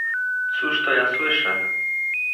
"cóż to ja słyszę?"